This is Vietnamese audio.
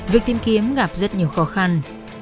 việc tìm kiếm gặp rất nhiều khó khăn